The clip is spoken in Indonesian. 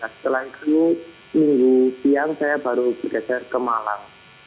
setelah itu minggu siang saya baru bergeser ke malang